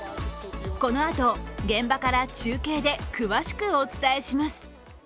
このあと、現場から中継で詳しくお伝えします。